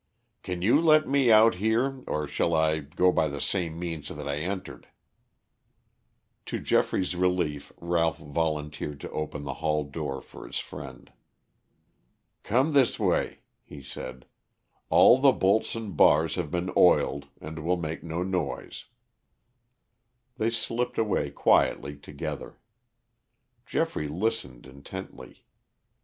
"Can you let me out here, or shall I go by the same means that I entered?" To Geoffrey's relief Ralph volunteered to open the hall door for his friend. "Come this way," he said. "All the bolts and bars have been oiled and will make no noise." They slipped away quietly together. Geoffrey listened intently.